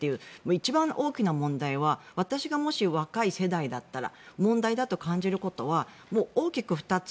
一番大きな問題は私がもし若い世代だったら問題だと感じることは大きく２つ。